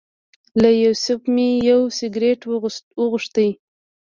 له یوسف مې یو سګرټ وغوښت.